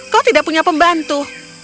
kau tidak punya pembantu